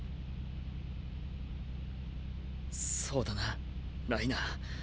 そうだなライナー。